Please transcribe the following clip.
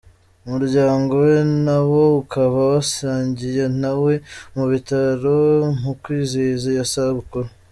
Umuryango we nawo ukaba wasangiye nawe mu bitaro mu kwizihiza iyo sabukuru.